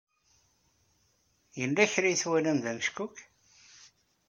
Yella kra ay twalam d ameckuk?